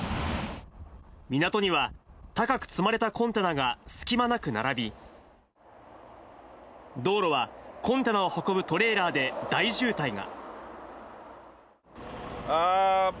港には高く積まれたコンテナが隙間なく並び、道路はコンテナを運ぶトレーラーで大渋滞が。